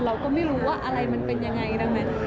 เราก็ไม่รู้ว่าอะไรมันเป็นยังไงดังนั้น